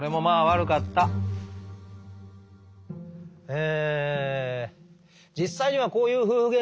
え